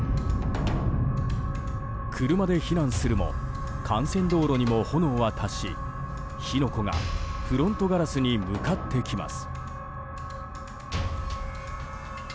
車で避難するも幹線道路にも炎は達し火の粉がフロントガラスに向かってきます。